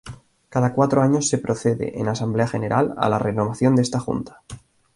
Cada cuatro años se procede, en Asamblea General, a la renovación de esta Junta.